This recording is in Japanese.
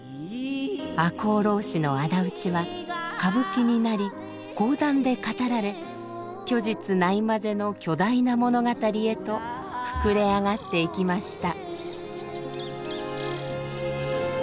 赤穂浪士の仇討ちは歌舞伎になり講談で語られ虚実ないまぜの巨大な物語へと膨れ上がっていきました。